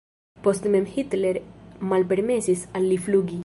Poste mem Hitler malpermesis al li flugi.